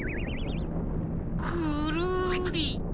くるり。